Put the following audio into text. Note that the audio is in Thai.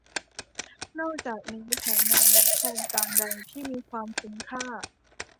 นอกจากนี้แผนงานหรือโครงการใดที่มีความคุ้มค่า